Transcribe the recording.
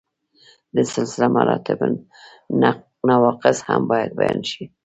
د سلسله مراتبو نواقص هم باید بیان شي.